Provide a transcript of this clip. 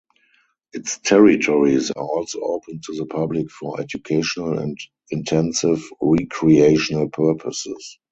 Its territories are also open to the public for educational and intensive recreational purposes.